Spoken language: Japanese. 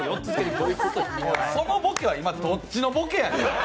そのボケはどっちのボケやね。